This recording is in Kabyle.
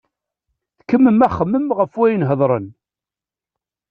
Tkemmel axemmem ɣef wayen hedren.